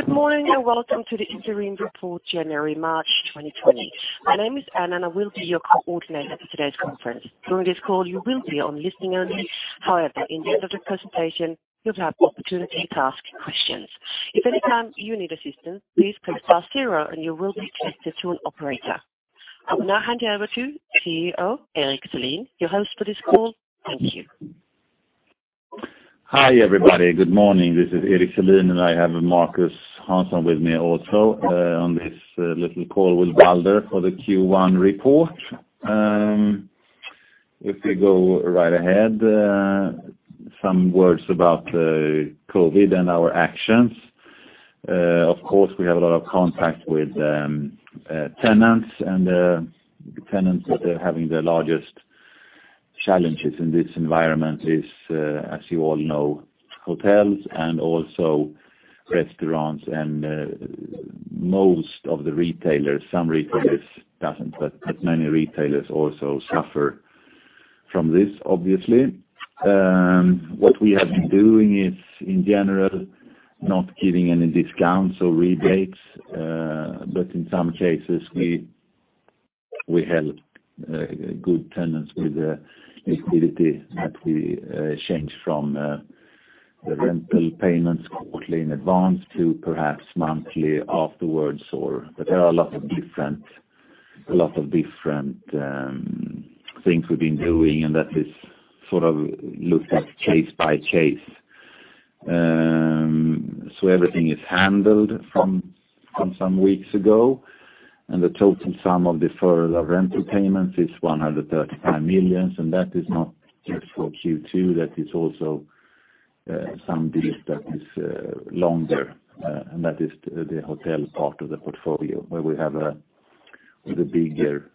Good morning, welcome to the Interim Report January-March 2020. My name is Anna, and I will be your coordinator for today's conference. During this call, you will be on listening only. However, at the end of the presentation, you'll have the opportunity to ask questions. If at any time you need assistance, please press star zero and you will be connected to an operator. I will now hand you over to CEO, Erik Selin, your host for this call. Thank you. Hi, everybody. Good morning. This is Erik Selin, and I have Marcus Hansson with me also on this little call with Balder for the Q1 report. If we go right ahead, some words about COVID and our actions. Of course, we have a lot of contact with tenants, and the tenants that are having the largest challenges in this environment is, as you all know, hotels and also restaurants and most of the retailers. Some retailers doesn't, but many retailers also suffer from this obviously. What we have been doing is, in general, not giving any discounts or rebates. In some cases, we help good tenants with liquidity that we change from rental payments quarterly in advance to perhaps monthly afterwards. There are a lot of different things we've been doing, and that is looked at case by case. Everything is handled from some weeks ago. The total sum of deferred rental payments is 135 million, and that is not just for Q2, that is also some deals that is longer. That is the hotel part of the portfolio where we have the bigger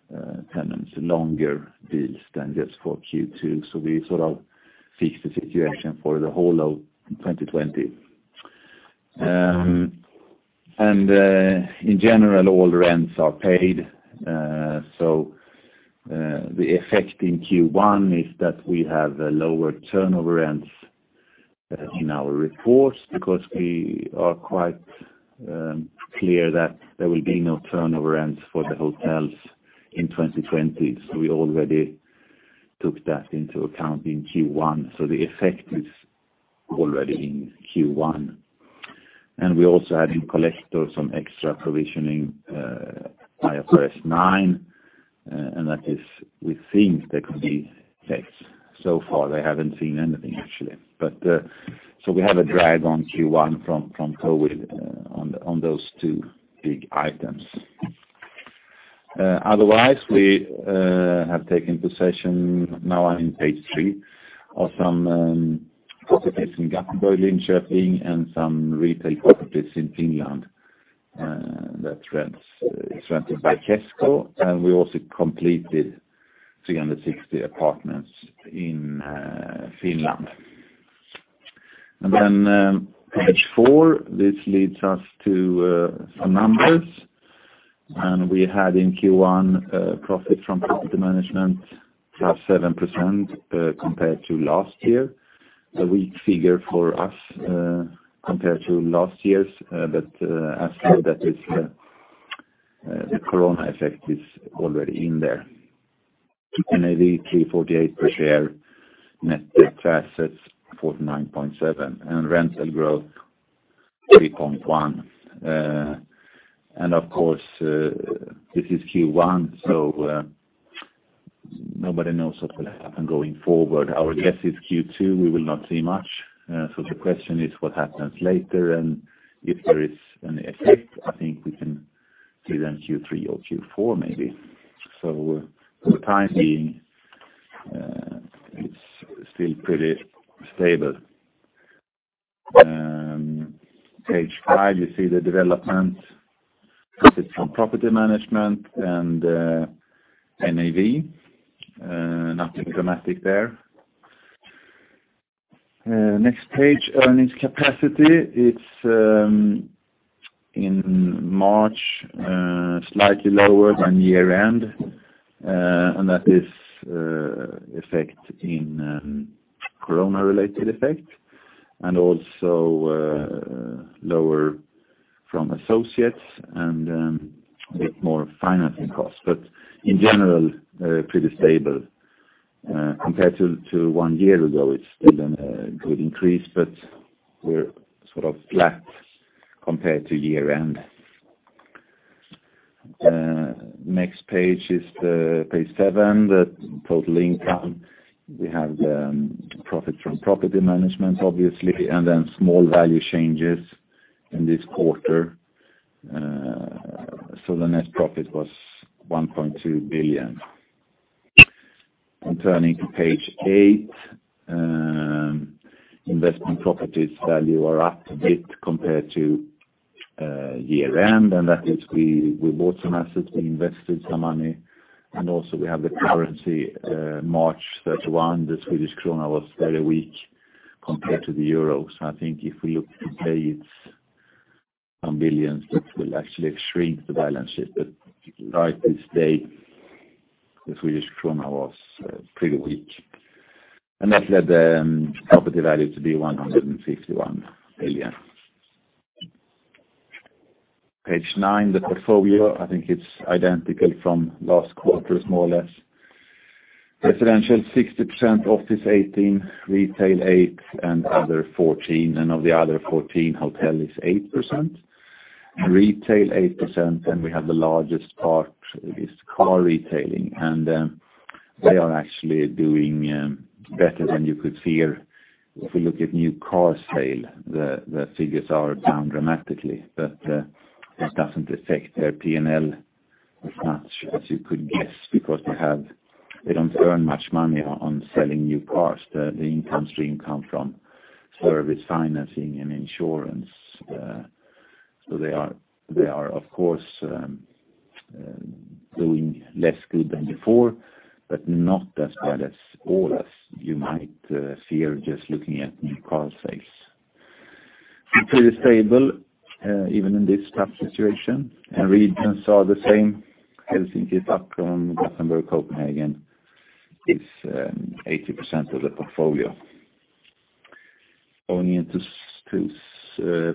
tenants, longer deals than just for Q2. We sort of fixed the situation for the whole of 2020. In general, all rents are paid. The effect in Q1 is that we have lower turnover rents in our reports because we are quite clear that there will be no turnover rents for the hotels in 2020. We already took that into account in Q1. The effect is already in Q1. We also have in Collector some extra provisioning, IFRS 9, and that is we think there could be effects. So far they haven't seen anything actually. We have a drag on Q1 from COVID-19 on those two big items. We have taken possession, now on page three, of some properties in Gothenburg, Linköping, and some retail properties in Finland that's rented by Kesko. We also completed 360 apartments in Finland. Page four, this leads us to some numbers. We had in Q1 a profit from property management, +7% compared to last year. A weak figure for us compared to last year's. As for that is the corona effect is already in there. NAV 348 per share. Net debt to assets, 49.7%. Rental growth, 3.1%. This is Q1, so nobody knows what will happen going forward. Our guess is Q2, we will not see much. The question is what happens later, and if there is an effect, I think we can see it in Q3 or Q4 maybe. For the time being, it's still pretty stable. Page five, you see the development, profit from property management and NAV. Nothing dramatic there. Next page, earnings capacity. It's in March, slightly lower than year-end. That is effect in corona-related effect and also lower from associates and a bit more financing costs. In general, pretty stable. Compared to one year ago, it's still a good increase, but we're sort of flat compared to year-end. Next page is page seven, the total income. We have profit from property management, obviously, and then small value changes in this quarter. The net profit was 1.2 billion. Turning to page eight, investment properties value are up a bit compared to year-end, and that is we bought some assets, we invested some money, and also we have the currency. March 31, the Swedish krona was very weak compared to the euro. I think if we look today it's some billions, it will actually shrink the balance sheet. Right this day, the Swedish krona was pretty weak, and that led the property value to be 161 billion. Page nine, the portfolio. I think it's identical from last quarter, more or less. Residential 60%, office 18%, retail 8%, and other 14%. Of the other 14%, hotel is 8%, retail 8%, and we have the largest part is car retailing. They are actually doing better than you could fear. If you look at new car sales, the figures are down dramatically, but that doesn't affect their P&L as much as you could guess, because they don't earn much money on selling new cars. The income stream come from service, financing, and insurance. They are, of course, doing less good than before, but not as bad as you might fear just looking at new car sales. Pretty stable, even in this tough situation. Regions are the same. Helsinki is up from Gothenburg. Copenhagen is 80% of the portfolio. Going into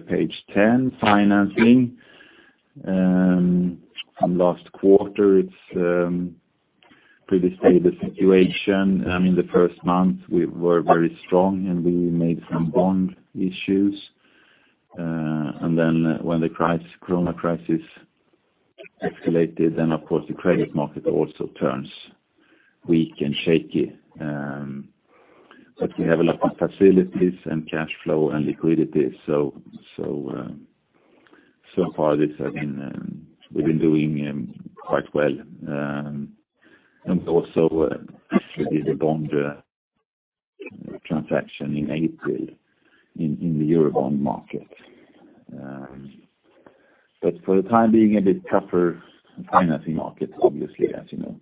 page 10, financing. From last quarter, it's a pretty stable situation. In the first month, we were very strong and we made some bond issues. When the corona crisis escalated then, of course, the credit market also turns weak and shaky. We have a lot of facilities and cash flow and liquidity. Far we've been doing quite well. Also actually did a bond transaction in April in the Euro bond market. For the time being, a bit tougher financing market, obviously, as you know.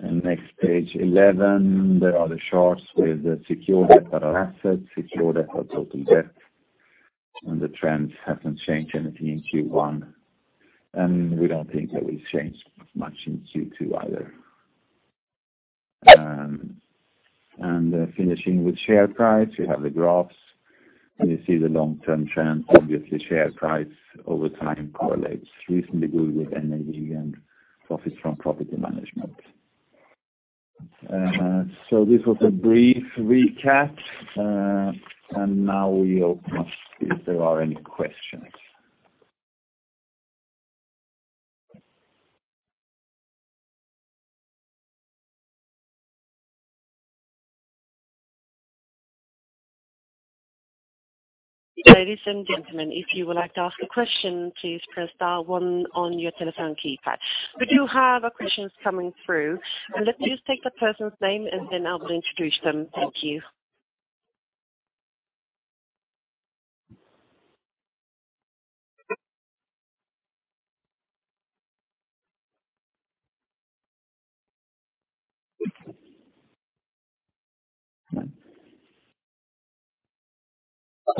Next, page 11. There are the charts with the secured debt by our assets, secured debt, our total debt. The trends haven't changed anything in Q1. We don't think that will change much in Q2 either. Finishing with share price. We have the graphs, and you see the long-term trend. Obviously, share price over time correlates reasonably good with NAV and profit from property management. This was a brief recap. Now we open up to see if there are any questions. Ladies and gentlemen, if you would like to ask a question, please press dial one on your telephone keypad. We do have questions coming through. Let's just take the person's name, and then I will introduce them. Thank you. We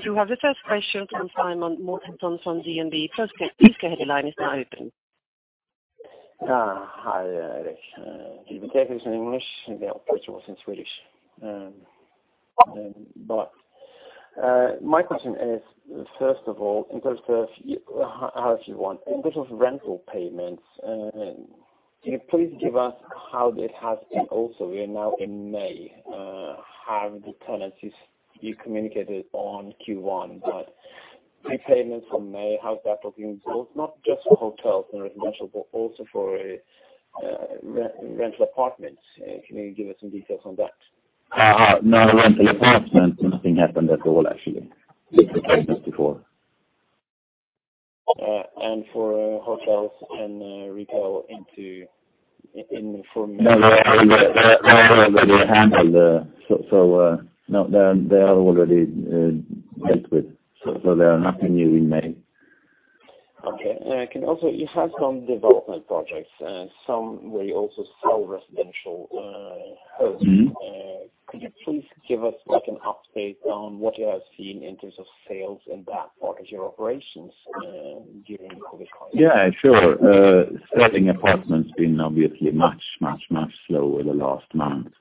do have the first question from Simen Mortensen from DNB. First, please go ahead, the line is now open. Hi, Erik. Do you take this in English? The output was in Swedish. My question is, first of all, in terms of rental payments, can you please give us how it has been? We are now in May. How have the tenancies you communicated on Q1, but prepayments for May, how is that looking? Both not just for hotels and residential, but also for rental apartments. Can you give us some details on that? No rental apartments. Nothing happened at all, actually. They prepared this before. For hotels and retail for May. No, they handled. They are already dealt with, so there are nothing new in May. Okay. You have some development projects, some where you also sell residential homes. Could you please give us an update on what you are seeing in terms of sales in that part of your operations during COVID-19? Yeah, sure. Selling apartments been obviously much slower the last month.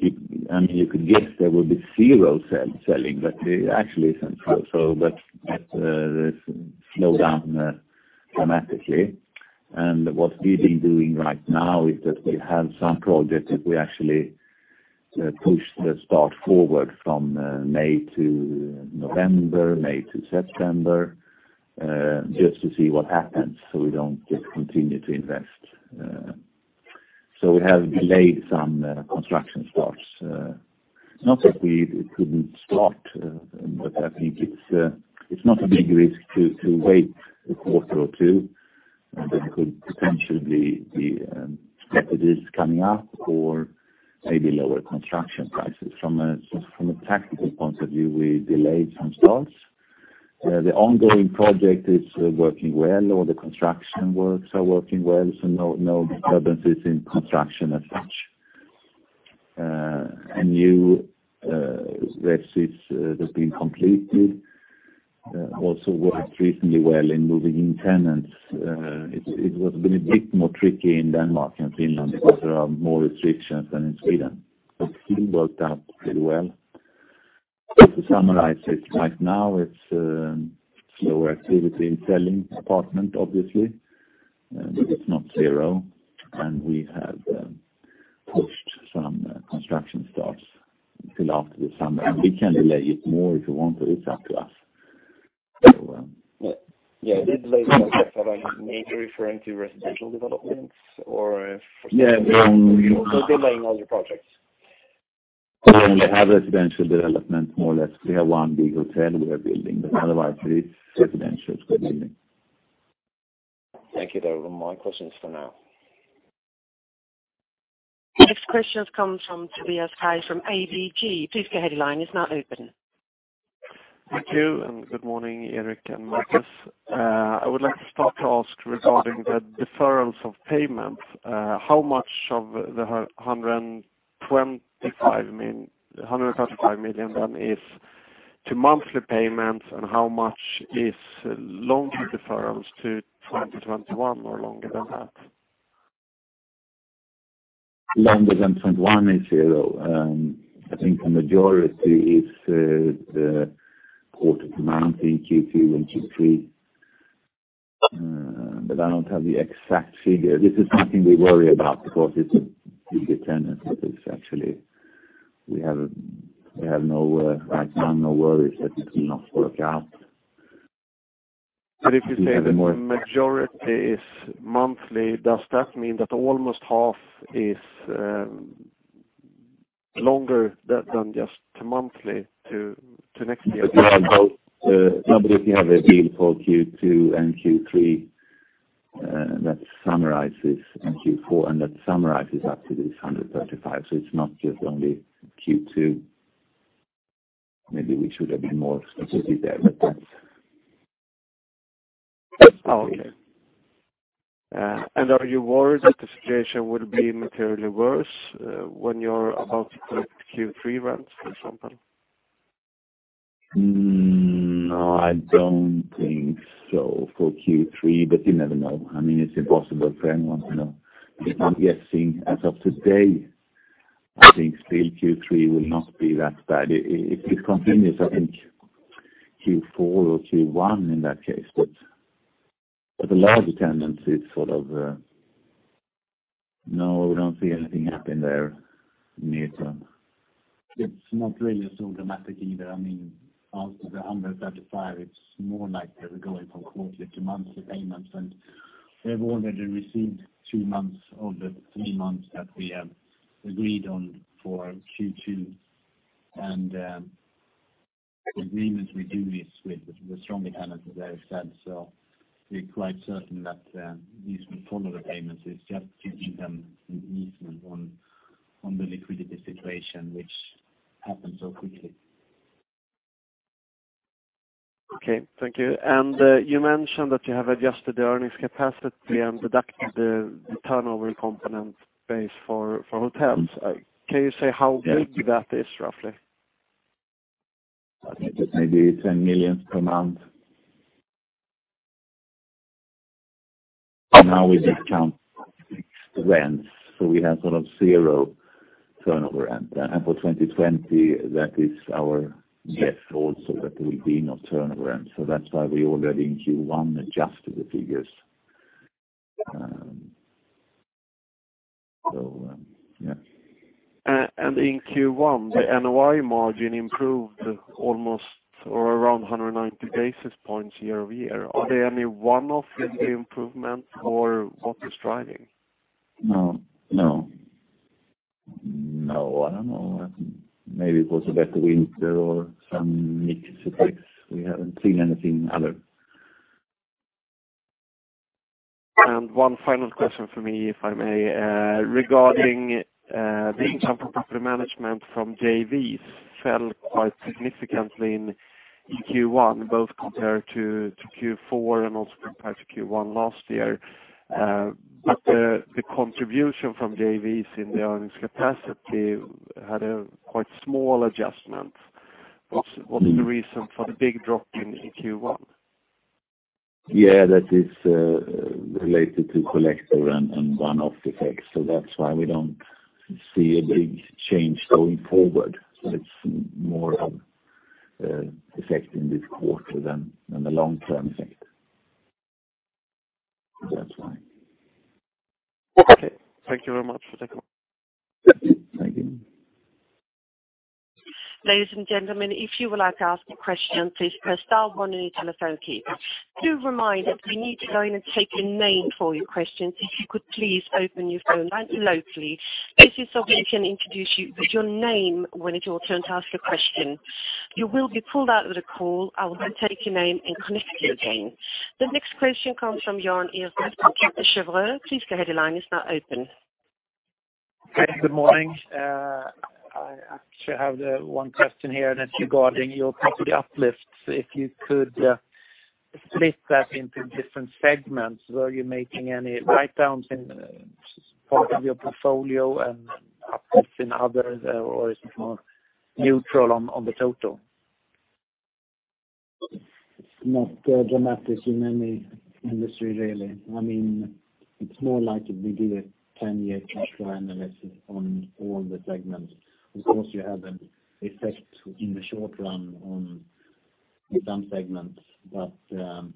You could guess there would be zero selling, but it actually isn't true. They've slowed down dramatically. What we've been doing right now is that we have some projects that we actually pushed the start forward from May to November, May to September, just to see what happens, so we don't just continue to invest. We have delayed some construction starts. Not that we couldn't start, but I think it's not a big risk to wait a quarter or two. There could potentially be strategies coming up or maybe lower construction prices. From a tactical point of view, we delayed some starts. The ongoing project is working well. All the construction works are working well, so no disturbances in construction as such. A new [resi] that's been completed, also worked reasonably well in moving in tenants. It was a bit more tricky in Denmark and Finland because there are more restrictions than in Sweden, but still worked out pretty well. Just to summarize it, right now it's slower activity in selling apartment, obviously, but it's not zero. We have pushed some construction starts till after the summer, and we can delay it more if we want to. It's up to us. Yeah. Delay the projects. Are they majorly referring to residential developments or? Yeah. Delaying all your projects. We only have residential development, more or less. We have one big hotel we are building. Otherwise, it's residentials we're building. Thank you, though. My questions for now. Next question comes from Tobias Kaj from ABG. Please go ahead, your line is now open. Thank you. Good morning, Erik and Marcus. I would like to start to ask regarding the deferrals of payment. How much of the 135 million is to monthly payments, how much is longer deferrals to 2021 or longer than that? Longer than 2021 is zero. I think the majority is quarter to monthly, Q2 and Q3. I don't have the exact figure. This is nothing we worry about because it's a big tenant, but we have right now no worries that it will not work out. If you say that the majority is monthly, does that mean that almost half is longer than just to monthly to next year? No, if you have a bill for Q2 and Q3 that summarizes, and Q4, and that summarizes up to this 135 million. It's not just only Q2. Maybe we should have been more specific there, but that's. Okay. Are you worried that the situation will be materially worse when you're about to collect Q3 rents, for example? No, I don't think so for Q3, but you never know. It's impossible for anyone to know. If I'm guessing, as of today, I think still Q3 will not be that bad. If it continues, I think Q4 or Q1 in that case. The large tendency is sort of no, we don't see anything happen there near term. It's not really so dramatic either. Out of the 135 million, it's more like they were going from quarterly to monthly payments, and we have already received two months of the three months that we have agreed on for Q2. The agreements we do this with were strong tenants, as Erik said, so we're quite certain that these will follow the payments. It's just giving them an easement on the liquidity situation which happened so quickly. Okay, thank you. You mentioned that you have adjusted the earnings capacity and deducted the turnover component base for hotels. Can you say how big that is, roughly? I think it may be 10 million per month. We just count rents, we have sort of zero turnover rent. For 2020, that is our guess also that there will be no turnover rent. That's why we already in Q1 adjusted the figures. Yeah. In Q1, the NOI margin improved almost or around 190 basis points year-over-year. Are they only one-off improvement or what is driving? No. I don't know. Maybe it was a better winter or some mix effects. We haven't seen anything other. One final question from me, if I may. Regarding the income from property management from JVs fell quite significantly in Q1, both compared to Q4 and also compared to Q1 last year. The contribution from JVs in the earnings capacity had a quite small adjustment. What's the reason for the big drop in Q1? Yeah, that is related to Collector and one-off effects, so that's why we don't see a big change going forward. It's more of an effect in this quarter than a long-term effect. That's why. Okay. Thank you very much for the call. Thank you. Ladies and gentlemen, if you would like to ask a question, please press star one on your telephone keypad. To remind that we need to go in and take a name for your questions. If you could please open your phone line locally just so we can introduce you with your name when it's your turn to ask a question. You will be pulled out of the call. I will then take your name and connect you again. The next question comes from Jan Ihrfelt at Cheuvreux. Please go ahead. Your line is now open. Hey, good morning. I actually have one question here that's regarding your property uplifts. If you could split that into different segments. Were you making any write-downs in part of your portfolio and uplifts in others, or is it more neutral on the total? It's not dramatic in any industry, really. It's more like we did a 10-year cash flow analysis on all the segments. Of course, you have an effect in the short run on some segments. When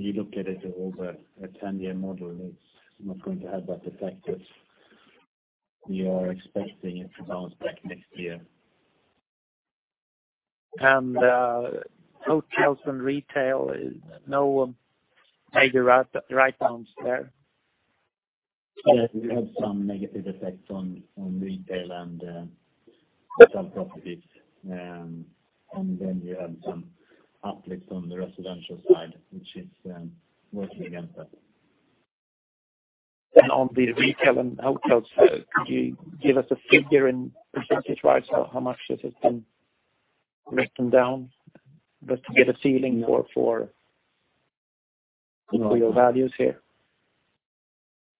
you look at it over a 10-year model, it's not going to have that effect, which we are expecting it to bounce back next year. Hotels and retail, no major write-downs there? Yeah, we had some negative effects on retail and hotel properties. We have some uplifts on the residential side, which is working against us. On the retail and hotels, could you give us a figure in percentage-wise of how much this has been written down? Just to get a feeling for your values here.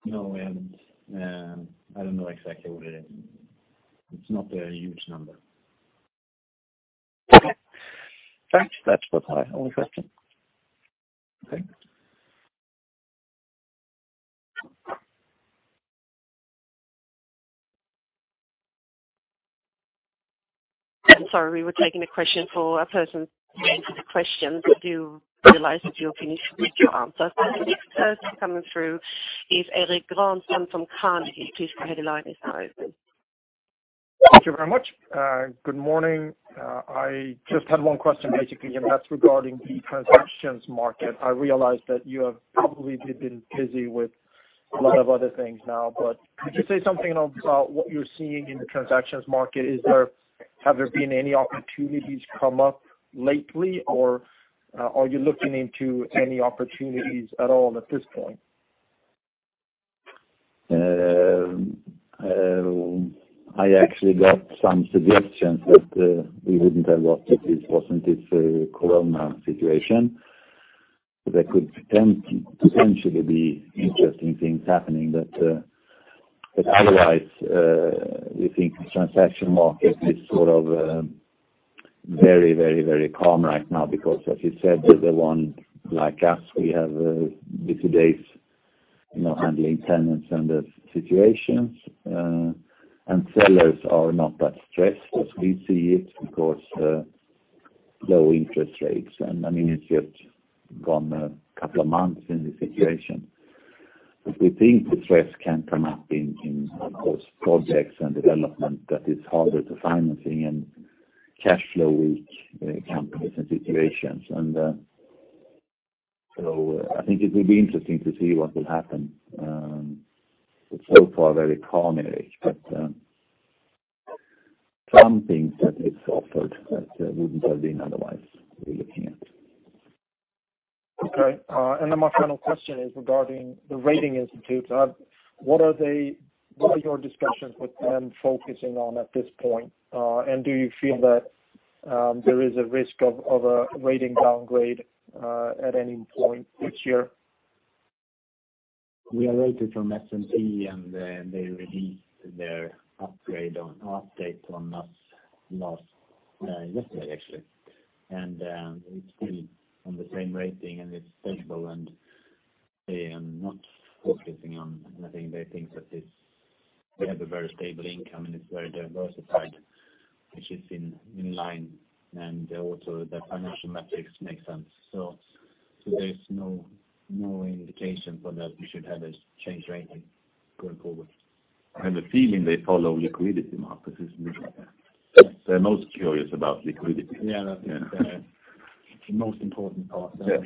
No, I don't know exactly what it is. It's not a huge number. Okay. Thanks. That was my only question. Okay. I'm sorry, we were taking a question for a person to answer the question. Do you realize that you're finished with your answer? The next person coming through is Erik Granström from Carnegie. Please go ahead, the line is now open. Thank you very much. Good morning. I just had one question basically, and that's regarding the transactions market. I realize that you have probably been busy with a lot of other things now, but could you say something about what you're seeing in the transactions market? Have there been any opportunities come up lately, or are you looking into any opportunities at all at this point? I actually got some suggestions that we wouldn't have got if it wasn't this corona situation. Otherwise, we think the transaction market is very calm right now because as you said, the one like us, we have day-to-day handling tenants and the situations. Sellers are not that stressed as we see it because low interest rates. It's just gone a couple of months in this situation. We think the stress can come up in those projects and development that is harder to financing and cash flow weak companies and situations. I think it will be interesting to see what will happen. It's so far very calm in it, but some things that is offered that wouldn't have been otherwise, we're looking at. Okay. My final question is regarding the rating institutes. What are your discussions with them focusing on at this point? Do you feel that there is a risk of a rating downgrade at any point this year? We are rated from S&P. They released their update on us yesterday, actually. It's still on the same rating. It's stable. They think that we have a very stable income. It's very diversified, which is in line. Also, the financial metrics make sense. There's no indication for that we should have a changed rating going forward. I have a feeling they follow liquidity markets. They're most curious about liquidity. Yeah. It's the most important part. Yeah.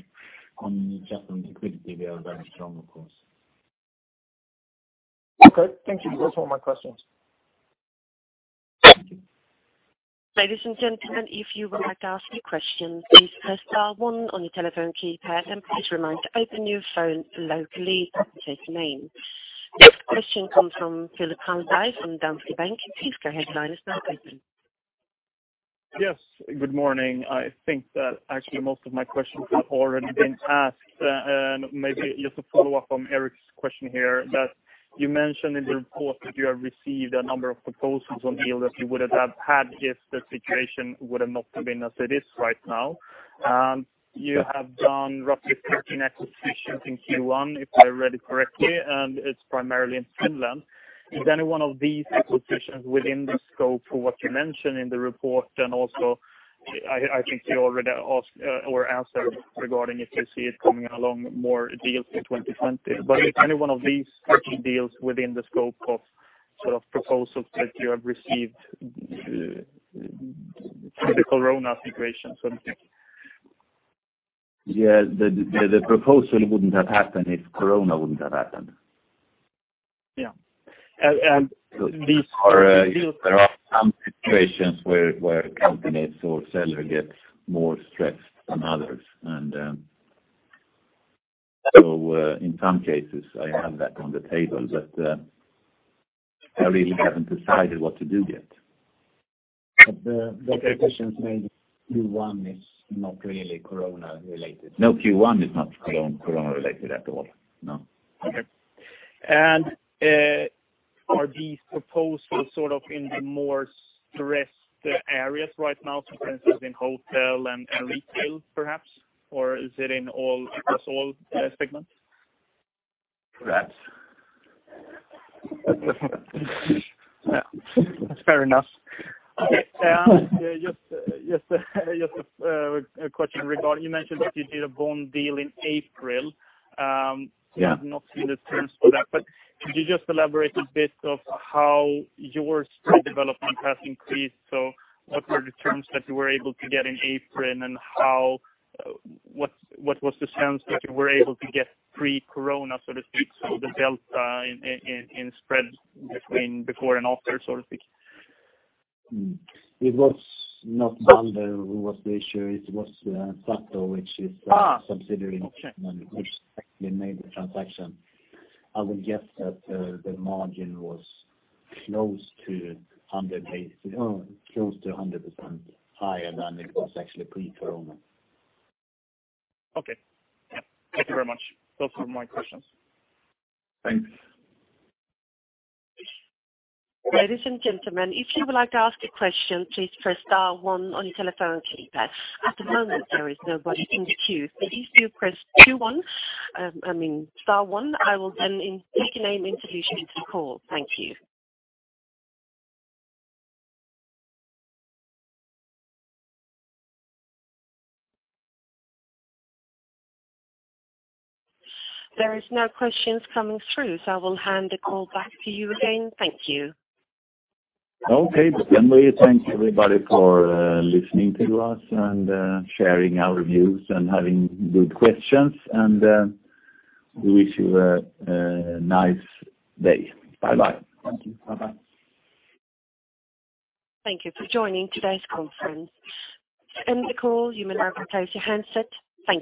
On liquidity, we are very strong, of course. Okay. Thank you. Those were my questions. Thank you. Ladies and gentlemen, if you would like to ask a question, please press star one on your telephone keypad, and please remember to open your phone locally and state your name. Next question comes from Philip Hallberg from Danske Bank. Please go ahead. Line is now open. Yes. Good morning. I think that actually most of my questions have already been asked. Maybe just a follow-up from Erik's question here that you mentioned in the report that you have received a number of proposals on deals that you wouldn't have had if the situation would have not been as it is right now. You have done roughly 15 acquisitions in Q1, if I read it correctly, and it's primarily in Finland. Is any one of these acquisitions within the scope for what you mentioned in the report? Also, I think you already answered regarding if you see it coming along more deals in 2020. Is any one of these 15 deals within the scope of proposals that you have received from the corona situation? Yes. The proposal wouldn't have happened if corona wouldn't have happened. Yeah. These are deals- There are some situations where companies or seller gets more stressed than others. In some cases I have that on the table, but I really haven't decided what to do yet. The question is maybe Q1 is not really corona related. No, Q1 is not corona related at all. No. Okay. Are these proposals in the more stressed areas right now, for instance, in hotel and retail perhaps? Is it in all segments? Perhaps. Yeah. That's fair enough. Okay. Just a question regarding, you mentioned that you did a bond deal in April. Yeah. I've not seen the terms for that, but could you just elaborate a bit of how your spread development has increased? What were the terms that you were able to get in April, and what was the terms that you were able to get pre-corona, so to speak? The delta in spread between before and after, so to speak. It was not Balder who was the issuer, it was SATO, which is a subsidiary. Okay. which actually made the transaction. I would guess that the margin was close to 100% higher than it was actually pre-corona. Okay. Yeah. Thank you very much. Those were my questions. Thanks. Ladies and gentlemen, if you would like to ask a question, please press star one on your telephone keypad. At the moment, there is nobody in the queue. Please do press star one. I will then take your name and institution into the call. Thank you. There is no questions coming through, so I will hand the call back to you again. Thank you. Okay. We thank everybody for listening to us and sharing our views and having good questions. We wish you a nice day. Bye-bye. Thank you. Bye-bye. Thank you for joining today's conference. To end the call, you may now replace your handset. Thank you.